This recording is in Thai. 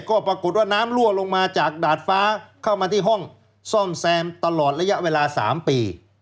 ก็ปรากฏว่าน้ำรั่วลงมาจากดาดฟ้าเข้ามาที่ห้องซ่อมแซมตลอดระยะเวลา๓ปี